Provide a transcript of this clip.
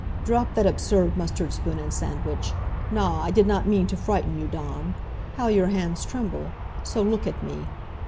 "Drop that absurd mustard spoon and sandwich. Na, I did not mean to frighten you, Dawn. How your hands tremble. So, look at me.